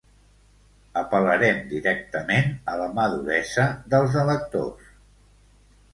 Apel·larem directament a la maduresa dels electors.